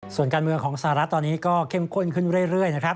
ส่วนการเมืองของสหรัฐตอนนี้ก็เข้มข้นขึ้นเรื่อยนะครับ